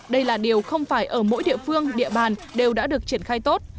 đây là điều không phải ở mỗi địa phương địa bàn đều đã được triển khai tốt